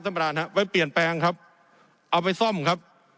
ประธานครับไว้เปลี่ยนแปลงครับเอาไปซ่อมครับ